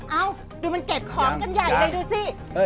ดูมันเก็บของกันใหญ่เลยดูสิ